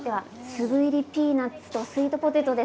粒入りピーナツとスイートポテトで。